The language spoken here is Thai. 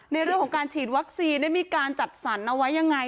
ในเรื่องของการฉีดวัคซีนได้มีการจัดสรรเอาไว้ยังไง